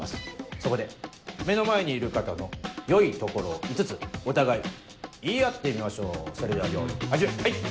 そこで目の前にいる方の良いところを５つお互い言い合ってみましょうそれでは用意始め！